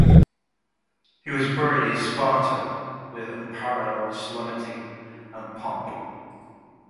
He was buried in Sparta, with unparalleled solemnity and pomp.